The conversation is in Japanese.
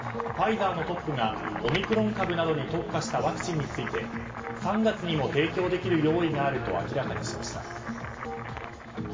ファイザーのトップがオミクロン株などに特化したワクチンについて３月にも提供できる用意があると明らかにしました。